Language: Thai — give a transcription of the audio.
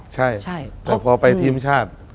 ใช่แต่พอไปทีมชาติ